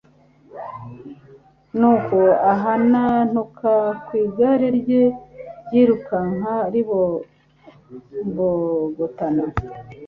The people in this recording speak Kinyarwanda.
nuko ahanantuka ku igare rye ryirukaga ribombogotana